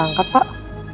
gak diangkat pak